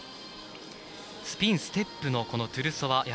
スピン、ステップのトゥルソワ